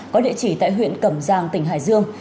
có địa chỉ tại huyện cẩm giang tỉnh hải dương